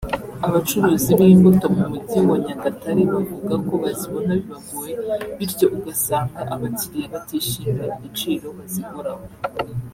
Abacuruzi b’imbuto mu Mujyi wa Nyagatare bavuga ko bazibona bibagoye bityo ugasanga abakiliya batishimira igiciro baziguraho